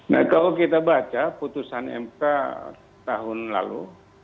nah kalau kita baca putusan mk tahun lalu